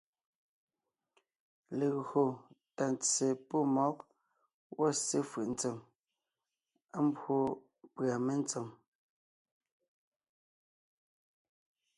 Legÿo tà ntse pɔ́ mmɔ̌g gwɔ̂ ssé fʉ̀’ ntsém, á mbwó pʉ̀a mentsém,